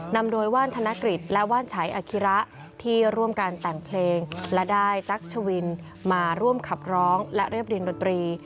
นำโดยว่านธนกฤษและว่านฉัยอคิระที่ร่วมกันแต่งเพลงและได้จักรชวินมาร่วมขับร้องและเรียบเรียนดนตรี